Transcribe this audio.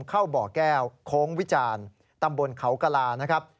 เข้าบ่อแก้วโค้งวิจารณ์ตำบลเขากลานะครับ